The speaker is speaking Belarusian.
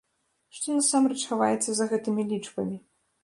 Што насамрэч хаваецца за гэтымі лічбамі?